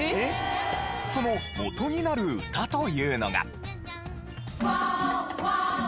その元になる歌というのが。